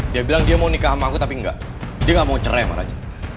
dia bilang dia mau nikah sama aku tapi dia gak mau cerai mana aja